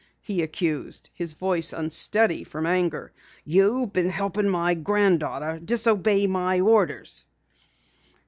he accused, his voice unsteady from anger. "You've been helping my granddaughter disobey my orders!"